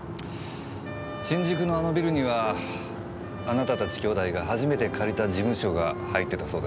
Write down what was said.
新宿のあのビルにはあなたたち兄弟が初めて借りた事務所が入ってたそうですね。